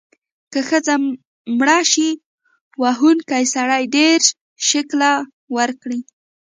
که ښځه مړه شي، وهونکی سړی دیرش شِکِل ورکړي.